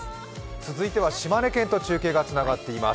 続いては島根県と中継がつながっています。